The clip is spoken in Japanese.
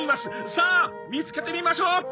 「さあ！見つけてみましょう！」